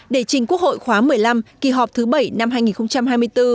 để trình quốc hội khóa một mươi năm kỳ họp thứ bảy năm hai nghìn hai mươi bốn